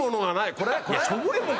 これ？